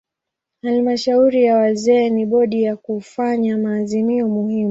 Halmashauri ya wazee ni bodi ya kufanya maazimio muhimu.